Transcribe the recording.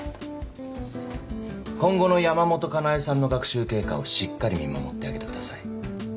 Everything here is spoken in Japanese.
今後の山本佳苗さんの学習経過をしっかり見守ってあげてください。